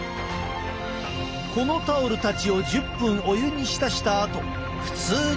このタオルたちを１０分お湯に浸したあと普通に洗濯。